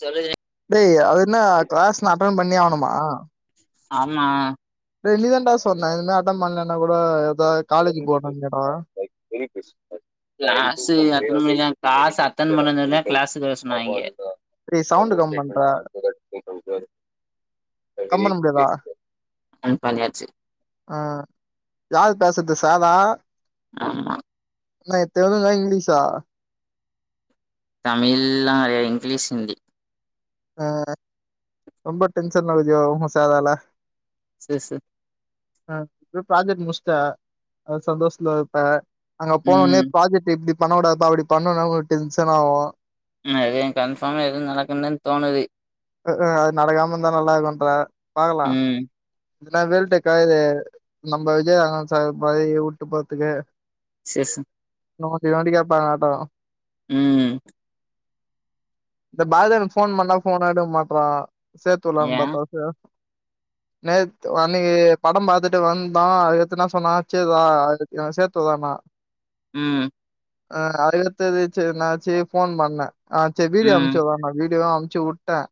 சொல்லு [unintelligible] டேய் அது என்ன கிளாஸ் நா அட்டன் பண்ணியே ஆகணுமா ஆமா டேய் நீதாண்டா சொன்ன இதல்லா அட்டன் பன்லனா ஒ ஆ ஆ சேரி நா அப்பறமேட்டு நா கிளாஸு அ அட்டென்ட் பண்ண சொல்ராங்க ஆஹ டேய் சவுண்டு ப்ரோப்ளம் கம் பண்ற ஸ்டேட்மேன்ட் கம் பண்ண முடியாதா அதெல்லாம் வாங்கியாச்சு யாரு பேசுறது சாரா ஆமா தெலுங்கா இங்கிலீஷா தமிழ்லாம் இல்லை இங்கிலீஷ் ஹிந்தி அஹ் ரொம்ப டென்ஷன்லகுதியோ உமசாதால சேர் சேர் ஆஹ் இப்ப ப்ராஜெக்ட் முடிச்சுட்ட சந்தோஷத்துல இருப்ப அங்க போனோனே ம் ப்ராஜெக்ட் எப்டி பண்ணகூடாது பா அப்டி பண்ணும்னா டென்ஷன் ஆகும் அதுவும் கன்பார்ம் ஏதுவும் நடக்கண்டன்னு தோணுது ம்க்கு அது நடகாமருந்தா நல்லா இருக்குன்ற பாக்கலாம் ம் இனா வேல்டெக்கா இது நம்ம விஜயராகவன் சார் மாதிரி விட்டு போறதுக்கு சேர் சேர் நோண்டி நோண்டி கேட்பாங்க பார்த்துக்கோங்க உம் இந்த மாதிரி ஃபோன் பண்ணா ஃபோன் எடுக்க மாட்டேன்றாங்க சேத்துவுடலாம் ஏ பாத்தா ச நேத்து அன்னைக்கு படம் பாத்துட்டு வந்தா அதுக்கத்துன்னா சொன்னா ச்சேரா என்ன சேத்துவுறான்னா உம் ஆஹ் அதுகடுத்தது ச்சேர் நான் சேர் ஃபோன் பண்ண ஆ ச்சேர் வீடியோ ம் அம்ச்சுறன்னா வீடியோவு அனு ப்புச்சு உட்டேன்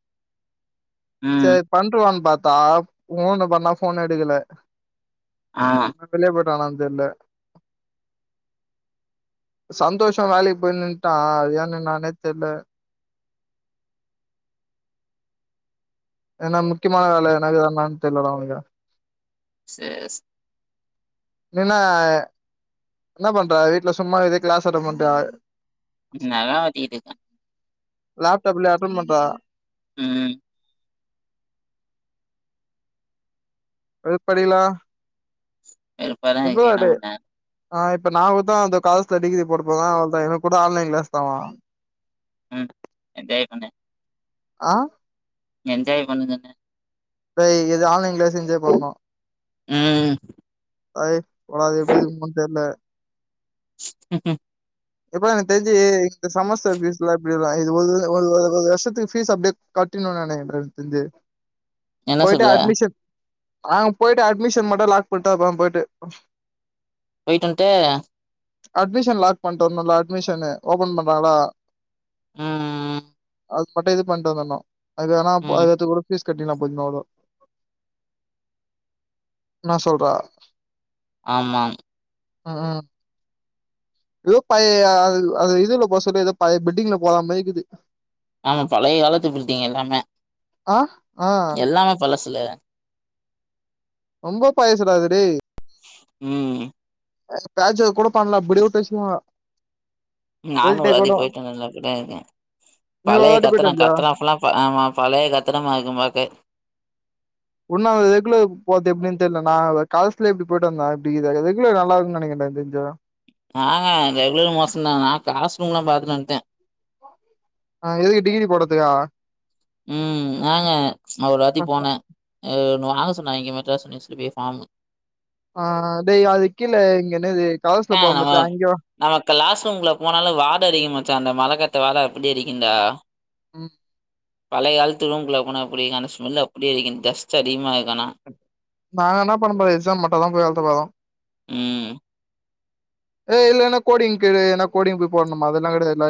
ம் சரி பண்ணிட்டுவாகன்னு பாத் தா ஃபோனு பண்ணா ஃபோன் எடுக்கல ஆ புள்ளய பாரு என்னஆனானு தெரியல சந்தோஷ் வேலைக்கு போய் நின்ட்டா அது ஏன் நின்னானே தெரியல என்னா முக்கியமான வேல எதனா இருக்குதானு தெரியல டா அவனுக்கு சேர் சேர் நீனா என்ன பண்ற வீட்ல சும்மா இருக்கியா கிளாஸ் அட்டென்ட் பண்றியா நல்லா வச்சுகங்க லேப்டாப்லயா அட்டென்ட் பண்ற உம் எதுப்படிக்கல வெறுப்பா தா இருக்கேன் நா உன்ன ஆ இப்போ நா கூ தா கரஸ்ல டிகிரி போடப்போற அவ்ளோதா எனக்கு கூட ஆன்லைன் கிளாஸ்தாண்ணா ம் என்ஜாய் பண்ணு ஆ என்ஜாய் பண்ணுங்கன ஏய் இது ஆன்லைன் கிளாஸ் என்ஜாய் பண்னோ ம் ஐ போடா அது எப்டி இருக்கும் தெர்ல [unintelligible] எப்பா எனக் தெரிஞ்சு இந்த சமஸ்டர் பீஸ்ல எல்லா எப்டிலாம் இதுபது ஒரு வருஷத்துக்கு பீஸ் அப்டியே கட்டணும்னு எனக்கு தெரிஞ்சு என்ன போயிட்டு சொல்ற அட்மிஷன் ஆ போயிட்டு அட்மிஷன் மட்டும் லாக் போட்டாப் அப்றோ போய்டு போய்டுவண்டு அட்மிஷன்லா பண்ணுட்டு வந்தோல அட்மிஷன்னு ஓபன் பண்றாங்களா ம் அது மட்டும் இது பண்ணிட்டு வந்திறனும் அது எல்லா ம் [unintelligible] கட்டினா பொன்னோடோ நா சொல்ற ஆமாம் ம் ம் லூப்பையா அது இதுல போ சொல்ல ஏதோ பையபில்டிங்ல போற மாரிக்குது ஆமா பழைய காலத்து பில்டிங் எல்லாமே ஆ ஆ எல்லாமே பழசு இல்ல ரொம்ப பழசு டா அது டே ம் [unintelligible] கூட பண்ணலாம் [unintelligible] பிரச்சன இல்ல நானூறு அடி போயிட்டேன் நல்ல கூடருக்கேன் நீ ஒரு பழைய வாட்டி போயிட்டு வந்தியா கத்திறாக்கத்திரம்ல்லாம் ஆமா பழைய கத்திரமா இருக்கும்பாக்க ஒன்னா ரெகுலரா போறது எப்டின்னு தெர்ல நா காஸ்ல எப்டி போயிட்டு வந்தன் இப்டி ரெகுலர் நல்லாருக்ன்னு நெனைக்கேன்டா எனக்கு தெரிஞ்சு ஆங்க ரெகுலரும் மோசம் தா நா கிளாஸ் ரூம்லாம் பாத்துட்டு வந்துட்டேன் ஆ எதுக்கு டிகிரி போடுறதுக்கா ம் நாங்க அவ ரதி போனா அவா சொன்னா இங்க மெட்ராஸ் யுனிவர்சிட்டி வே பாம் ஆ டேய் அதுக்கிழ இங்கென்னது ஆ நம்ம நம்ம கிளாஸ்ரூம்குள்ள போனாலே வாட அதிகமாச்சா அந்த மழ கட் நாத்த வாட அப்டி அடிக்குன்டா ம் பழைய காலத்து ரூம்குள்ள போனா அப்டிக்கான ஸ்மெல் அப்டியே இருக்கின் டெஸ்ட் அதிகமா இருக்கு ஆனா நா என்னா பண்ண போது எக்ஸாம் மட்டுந்தா போய் எழுதப்போறோ ம் ஏ இல்ல என்ன கோடிங் கிடைய என்ன கோடிங் போய் போடுணுமா அதெல்லா கெடையாதுல்ல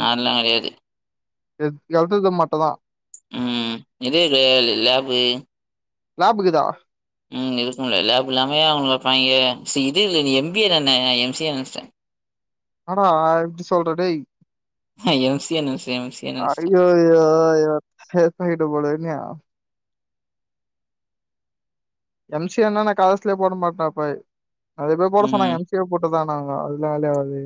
நான்லா கெடையாது எத் எழுதுறது மட்டுதா ம் இது லே லேப்பு லேப் இக்குதா ம் இருக்கும்ல லேப் இல்லாமயா அவங்கள [unintelligible] சி இதுல்ல நீ எம் பி ஏ தான நா எம் சி ஏன் நெனச்சுட்ட ஆடா இப்டி சொல்ற டேய் எம்சிஏ நெனச்சுட்டேன், எம்சிஏ அ நெனச்சுட்டேன். ஐயோ ஐயோ யோ சப்ணிட்ட போன மியா எம் சி ஏனா நா கரசுலயே போட மாட்ட அப்பேய் அது போய் போட ம், சொன்னாங்க எம் சி ஏ போட்டு தான் அ அதனால வந்து அது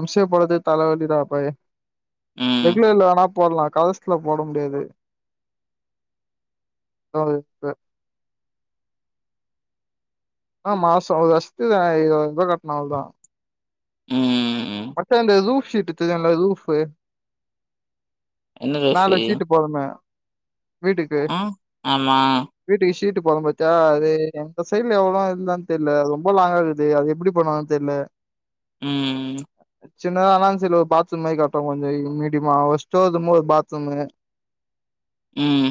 எம் சி ஏ போடது தல வலிடா அப்பாயே ம், ரெகுலர்ல வேனாப் போடலா கரஸ்ல போட முடியாது [unintelligible] து ஆ மாசோ அவ [unintelligible] இருவதுரூபா கட்னு அவ்ளோதா ம் ம். மத்த எந்த இது லு ஷுட்டு தெரியுல்ல ரூஃப்பு என்ன ரோஃபு? நாலு ஷீட்டு போடனுமே வீட்டுக்கு ஆ, ஆமா. வீட்டுக்கு ஷீட்டுப் போதம் பாத்தியா அது எங்க சைடுல எவ்ளோ இருந்தான் தெர்ல ரொம்ப லாங்கா இருக்குது அது எப்புடி பண்ணுவாங்கன் தெர்ல ம் ம் சின்னதா ஆனாலும் சைடுல ஒரு பாத்ரூம் மாரி காட்டுறோ கொஞ்சோ மீடியமா ஒரு ஸ்டோர் ரூம்மு ஒரு பாத்ரூம்மு ம்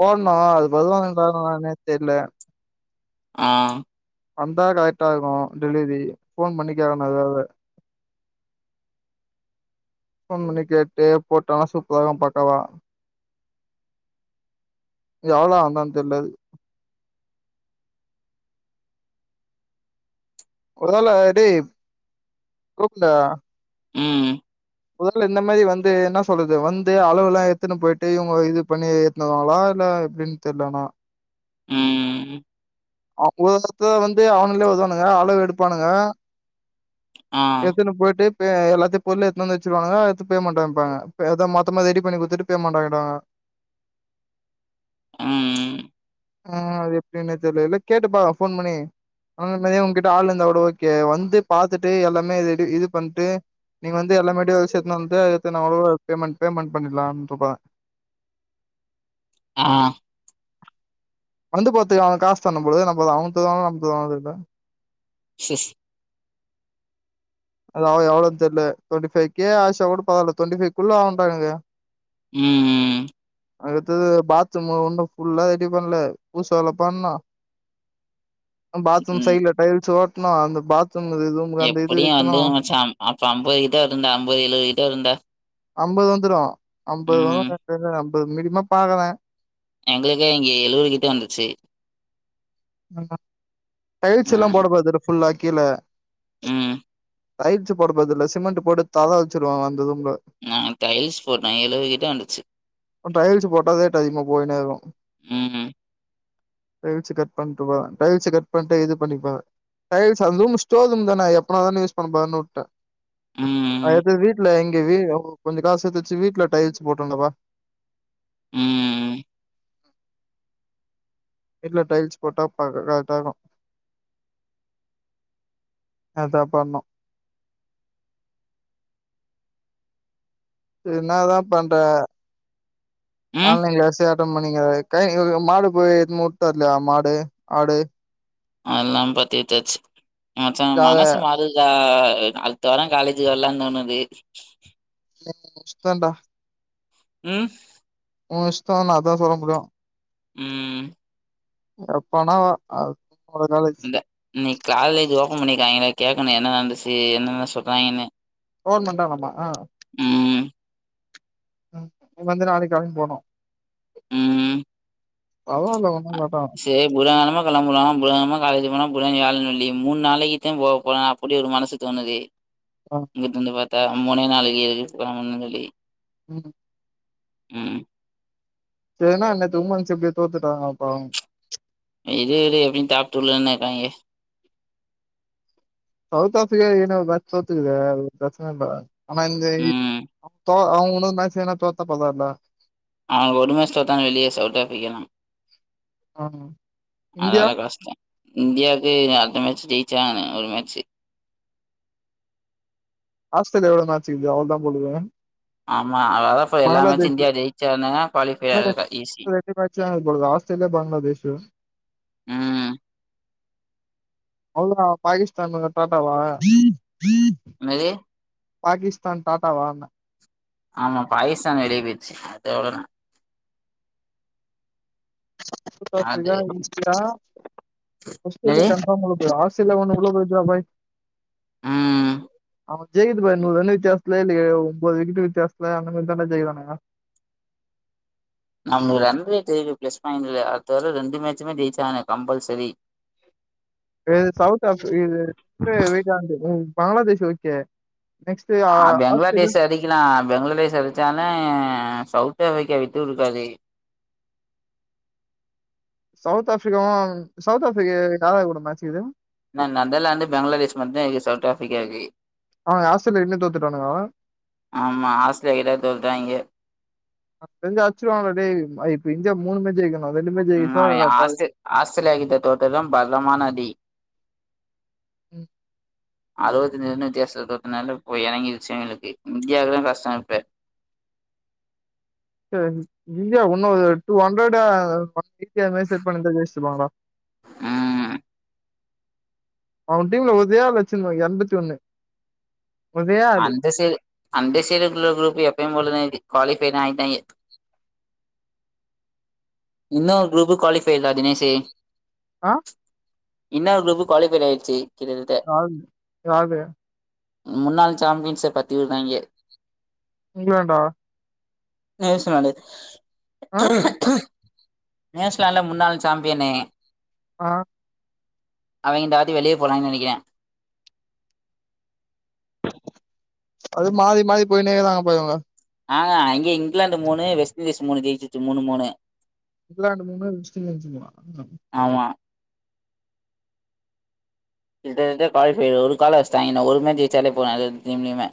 போன்னு அதுக்கு வருவானுங்களா என்னன்னே தெர்ல ஆ வந்தா கரெக்டா இருக்கு டெலிவரி போன் பண்ணி கேக்கணு எதாவது போன் பண்ணி கேட்டு போட்டனா சூப்பரா இருக்கு பக்காவா இது எவ்ளோ வந்தான் தெர்ல இது குறதல டேஃப் [unintelligible] ம் ஒருவேளை இந்த மாதிரி வந்து என்ன சொல்றது வந்து அளவு எல்லாம் எத்துன்னு போயிட்டு இவுங்க இது பண்ணி ஏத்துன்னு வருவாங்களா இல்ல எப்படின்னு தெர்ல ஆனா ம் அவுங்கத்த வந்து அவனுங்களே வருவானுங்க அளவு எடுப்பானுங்க ஆ, எத்துன்னு போய்ட்டு எல்லாத்தையும் பொருள் எத்துன்னு வந்து வச்சுருவாங்க எத்து பேமெண்ட் அனுப்பாங்க ஏதோ மொத்தமா ரெடி பண்ணி குடுத்துட்டு பேமெண்ட் வாங்கிடுவாங்க ம் ஆ அது எப்படின்னு தெர்ல இல்ல கேட்டுப்பா ஃபோன் பண்ணி உங்ககிட்ட ஆள் இருந்தா கூட ஓகே வந்து பாத்துட்டு எல்லாமே எல்லாமே இது இது பண்ணிட்டு நீங்க வந்து எல்லாமே டிவைஸ் எத்தனை வந்து பேமெண்ட் பேமெண்ட் பண்ணிடலாம் இருப்பாங்க ஆ வந்து போறதுக்கு அவுங்க காசு தரும் ப்ரோ நம்ம அவுங்க தருணுமா நம்ம தருணுமா தெர்ல சிஸ் அதாவது எவ்ளோ தெர்ல டுவெண்டிபை்கே ஆசா கூட பரவால்ல டுவெண்டி பைவ்குள்ள ஆகுன்றாங்க ம் ம் அடுத்தது பாத்ரூம் ஒன்னும் ஃபுல்லா ரெடி பண்ணல பூசு வேலை பண்ணும் பாத்ரூம் ம். சைடுல டைல்ஸ் ஒ ட்டணும்அந்த பாத் எப்படியும் வந்துரும் மச்சான் அப்ப ஐம்பது கிட்ட இருந்தேன் ஐம்பது எழுபது கிட்ட இருந்தேன் ஆம்பது வந்துரும் அம்பது வரரெண்டு அம் இப்ப மினிமம் பாக்குறேன் எங்களுக்கே இங்க எழுவதுக்கிட்ட வந்துச்சு ம் டைல்ஸ் ம். எல்லாம் போட கூடாதுல ஃபுல்லா கீழ ம் டைல்ஸ் போடறத இல்ல சிமெண்ட் போட்டு தளம் வச்சிருவாங்க வந்ததும் க நான் டைல்ஸ் போட்டேன். கிட்ட வந்துச்சு. டைல்ஸ் போட்டாதே ரேட் அதிகமா போயின்னே இருக்கும் ம். டைல்ஸ் கட் பண்ணுட்டு வா டைல்ஸ் கட் பண்ணுட்டு இது பண்ணப்பேன் டைல்ஸ் அந்த ஸ்டோர் ரூம் தானே எப்பன தானே யூஸ் பண்ண போறேன்னு வுட்டேன் அதே ம். பேர் வீட்லை இங்க வீ ஓ கொஞ்சம் காசு சேர்த்து வச்சு வீட்ல டைல்ஸ் போட்டுருந்தேன்ப்பா ம் வீட்ல டைல்ஸ் போட்டா கரெக்ட்டா இருக்கும் அதான் பண்ணும் என்னா தான் பண்ற ம். ஆன்லைன்யா சார் பண்ணிங்க மாடு போய் முட்டலையா மாடு ஆடு அதெல்லாம் பாத்து வித்தாச்சு மச்சா ஜாத மனசு மாதுதா அ அடுத்த வாரோ காலேஜ்க்கு வரலானு தோணுது ஓ இஷ்டன் டா ம் ஓ இஷ்டோ நா அதா சொல்ல முடியு ம் எப்பனா வா அ இந்த இன்னிக் காலேஜ் ஓப்பன் பண்ணி க எங்கள கேட்கணு என்ன நடந்துச்சி என்னென்ன சொல்றாய்ங்கன்னு ஃபோன் பண்றானமா ஆ ம். ம் இங்க வந்து நாளைக் கெழம்பி போனு ம் அவ்வோளோ சே புதகழம களம்பலா புதங்கழம காலேஜ் போனா புத வியாழன் வெள்ளி மூன் நாளைக்குத்தா போபோனா அப்பிடி ஒரு மனசு தோனுது ஆ இங்குதுந்வர் த முனே நாளைக்கு இருக் [unintelligible] ம் ம் சேரினா நேத்து உமன்ஸ் எப்பிடிய தோத்துட்டாங்க பாவு இரு இரு எப்பிடி டாப் டூலதான இருக்காயிங்க சவுத் ஆஃப்ரிக்கா ஏனோ பேச் தோத்துக்குது பிரச்சன இல்ல ஆனா இந்த ம் த்தோ அவுங்குனு மேட்ச் எதுனா தோத்தா பத்தால்ல அவ ஒடுமேட்ச் தோத்தாங்க வெளியே சவுத்தா ஆஃபிரிக்காலா ஆ இந்தியா இந்தியாக்கு அடுத்த மேட்ச் ஜெயச்சா ஒரு மேட்ச் ஆஸ்தேலியா எவ்ளோ மேட்ச் இக்குது அவளதா போலியே ஆமா அதா எல்லாமே இந்தியா ஜெயிச்சான்ன குவாலிஃபை ஆக்க ஈசி மேட்ச் தான் இப்பொழுது ஆஸ்திரேலியா, பங்களாதேஷ். ம் அவ்ளா பாகிஸ்தான் டாட்டவா என்னது பாகிஸ்தான் டாட்டாவான்ன ஆமா பாக்கிஸான் வெளிய போயிச்சி அது அவ்ளோதா சவுத் அது ஆஃப்பிரிக்கா இந்தியா என்னது [unintelligible] சில ஒன்னு எவ்ளோ போ ப் ம் ஆமா ஜெயிது பாரு நூறு ரன் வித்தியாசத்துல இல்லய ஒன்பது விக்கெட்டு வித்தியசத்துல அந்த மாரி தானே ஜெயிப்பானுங்க நம்ம ரன்ரே பிளஸ் பாயிண்ட் அதுவர ரெண்டு மேச்சுமே ரீச் ஆக கம்பல்சரி இது சவுத் ஆ இது வீட்டாந்து Bangladesh okay next Australia, Bangladesh அடிக்கலாம் பெங்களாதேஷ் அடிச்சாலும் சவுத் ஆப்பிரிக்கா விட்டு குடுக்காது சவுத் ஆப்பிரிக்காயும் சவுத் ஆப்பிரிக்கா யாராவ கூட மேட்சக்குது ந நெதர்லாந்து பங்களாதேஷ் மட்டும் தா இருக்கு சவுத் ஆப்பபிரிக்கா இருக்கு அவங்க ஆஸ்திரேலியா கிட்ட தோத்துட்டானுங்க ஆமா ஆஸ்திரேலியா கிட்ட தோத்துட்டாய்ங்க தெஞ்சா அச்சவாங்க டா டே இந்தியா மூணு மே ஜெய்க் ம் ஆஸி ஆஸ்திரேலியா கிட்ட தோத்தது பங்கம்மா இ ம் அறுபத்தி எழுநூத்தி அபத்தி நாலல போய் எனங்கி விச்சயம இருக்கு இந்தியாவுக்குல்லான் கஷ்டம் இருப்ப செரி இந்தியா இன்னும் டூ ஹண்ட்ரெட் யா இந்தியவோ [unintelligible] ஜெயிச்சிருப்பாங்களா ம் அவன் டீம்ல பாத்தியா லட்ச எண்பத்தி ஒண்ணு அந்த சைடு குரூப் எப்பயும் போல தா இருக்கு குவாலிபய் ஆயிட்டாங்க இன்னும் குரூப்பு குவாலிஃபை யா தினேஷ் ஆ இன்னொரு குரூப்பு குவாலிஃபை ஆயிடுச்சு கிட்டத்தட்ட காலு காலு முன்னாள் சாம்பியன்ஸை பத்தி விடுறாங்க இங்கிலாண்டா நியூஸ்லாண்டு ஆ ச நியூசிலாந்துல முன்னாள் சாம்பிய னு ஆ அவங்க டேடி வெளில போறாங்கன்னு நினைக்கிறேன் அது மாறி மாறி போயினே இருப்பாங்க ஆஹ் அங்க இங்கிலாந்து மூணு வெஸ்ட் இண்டீஸ் மூணு ஜெயிச்சுட்டு மூணு மூணு இங்கிலாந்து மூணு வெஸ்ட் இண்டீஸ் மூணா ஆமா இந்த இத பாவி பையலங்க ஒரு கால வச்சுட்டாங்கய இன்னும் ஒரு மேச் ஜெயச்சாலே போதும் அந்த இதுலயுமே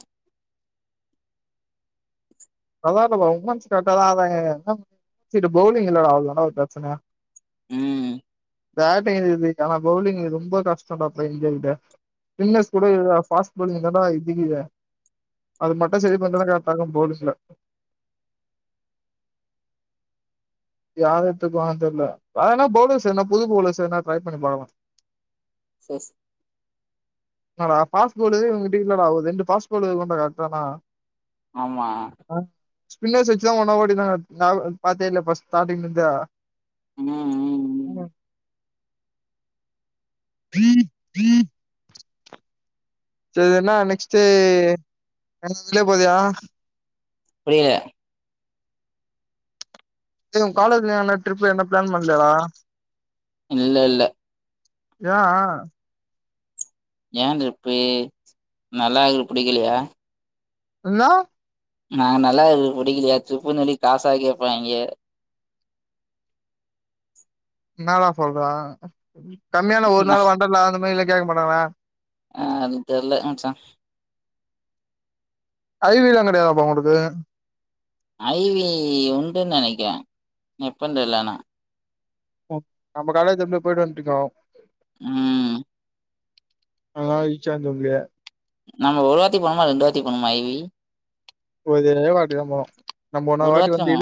அப்டிலாம் இல்ல ப்ரோ ஒமென்ஸ் கரெக்ட்அ தான் வெளையாடுட்றாங்க இந்த பௌலிங்ல ஆடல அதான் ப்ரோ பிரச்சனை உம் பேட்டிங் இது ஆனா பவுலிங் ரொம்ப கஷ்டம்டா நம்ம இந்தியா கிட்ட ஸ்பின்னெர்ஸ் கூட பர்ஸ்ட் பௌலிங் தான் இடிக்குதே அது மட்டும் சரி பண்ணாக கரெட்டா இருக்கும் பவுலிங்ல யார எத்துக்கும் தெரியல அதனா பௌலர்ஸ் என்ன புது போல பௌலர்ஸ் என்னா ட்ரை பண்ணி பார்க்கலாம் எஸ் னடா பாஸ்போர்டு உங்க டீம்ல ஆகுது ரெண்டு பாஸ்பர்டு கொண்ட கனா ஆமா ஸ்பின்னர்ர் வச்சு தான் உன்னவஓடி தாங்க பாத்தே இல்ல பஸ்ட் ஸ்டார்ட்ங்ல இருந்தே ம் ம் ம் உஹம் உம் உம் ஏன்னா நெக்ஸ்ட்டே இந்தியாவில் போலயா புரியல காலேஜ்ல என்ன ட்ரிப்ல என்ன பிளான் பண்ணலடா இல்ல இல்ல ஏன் அ ஏன் ட்ரிப்பு நல்லா இருக்கது பிடிக்கலையா என்ன நான் நல்லா இருக்கது பிடிக்கலையா ட்ரிப்னு சொல்லி காசா கேடப்பாங்க என்னடா சொல்றா கம்மியான ஒரு நாள் வண்டர்லா அந்த மாதிரி கேட்க மாட்டானா ஆஹ அதுவும் தெரில மச்சான் ஐவிலாம் கெடையாதா பா உனக்கு ஐவி உண்டுன்னு நினைக்கிறேன் எப்பன் தெர்ல ஆனா நம்ம காலேஜ்ல எப்படிய போயிட்டு வந்து இருக்கோம் உஹம் ஆஹா ஈஸியா யா சொல்லுவீங்க நம்ம ஒருவட்டி போனோம்மா ரெண்டுவாட்டி போனோம்மா ஐவி ஒரே வாட்டி தான் போனோம் நம்ம ஒன்னா ஒரு வாட்டி வந்து இது நம்ம